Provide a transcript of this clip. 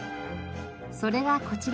それがこちら。